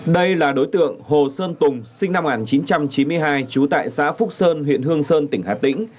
đây là đối tượng hồ sơn tùng sinh năm một nghìn chín trăm chín mươi hai trú tại xã phúc sơn huyện đồng phú